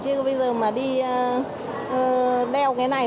chứ bây giờ mà đi đeo cái này